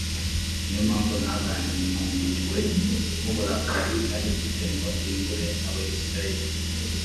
ni yo mpamvu ntaganjwe n’uburakari nari mfite, ngo ndimbure abayisraheli.